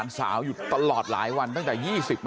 น้าสาวของน้าผู้ต้องหาเป็นยังไงไปดูนะครับ